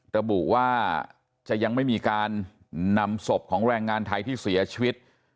ระบุว่าจะยังไม่มีการนำศพของแรงงานไทยที่เสียชีวิต